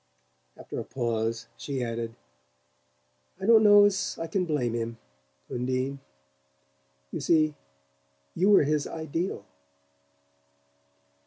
After a pause she added: "I don't know as I can blame him. Undine. You see, you were his ideal."